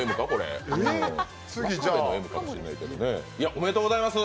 おめでとうございます。